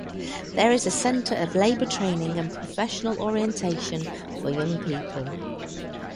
There is a center of labor training and professional orientation for young people.